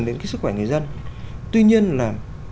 đến sức khỏe người dân tuy nhiên là